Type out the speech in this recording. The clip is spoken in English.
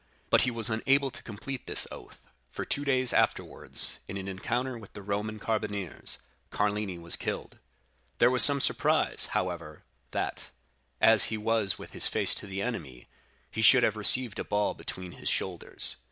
But he was unable to complete this oath, for two days afterwards, in an encounter with the Roman carbineers, Carlini was killed. There was some surprise, however, that, as he was with his face to the enemy, he should have received a ball between his shoulders.